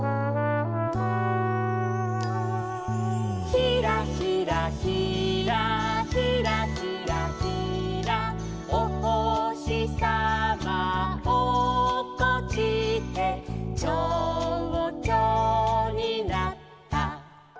「ひらひらひらひらひらひら」「おほしさまおっこちて」「ちょうちょになった」